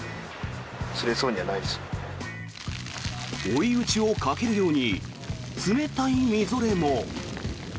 追い打ちをかけるように冷たいみぞれも。